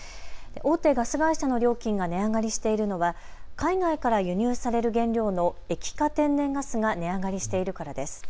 大手ガス会社の料金が値上がりしているのは海外から輸入される原料の液化天然ガスが値上がりしているからです。